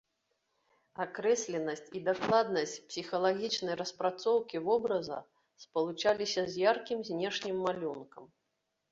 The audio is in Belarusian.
Акрэсленасць і дакладнасць псіхалагічнай распрацоўкі вобраза спалучаліся з яркім знешнім малюнкам.